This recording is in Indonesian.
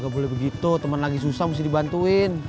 lo kagak boleh begitu temen lagi susah mesti dibantuin